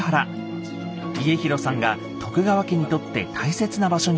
家広さんが徳川家にとって大切な場所に案内してくれました。